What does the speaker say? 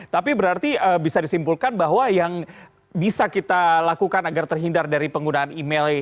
tapi berarti bisa disimpulkan bahwa yang bisa kita lakukan agar terhindar dari penggunaan email